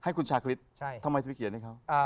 ให้คุณชาคริสต์ทำไมคุณเขียนให้เขา